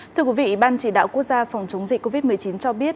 thưa quý vị ban chỉ đạo quốc gia phòng chống dịch covid một mươi chín cho biết